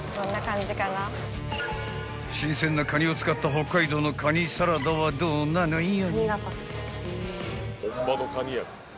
［新鮮なカニを使った北海道のかにサラダはどうなのよ？］